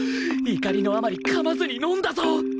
怒りのあまりかまずにのんだぞ！